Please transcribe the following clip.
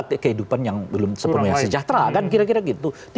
ada kehidupan yang belum sepenuhnya sejahtera kan kira kira gitu